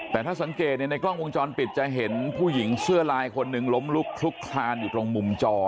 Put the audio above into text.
แต่ถ้าสังเกตในกล้องวงจรปิดจะเห็นผู้หญิงเสื้อลายคนหนึ่งล้มลุกคลุกคลานอยู่ตรงมุมจอ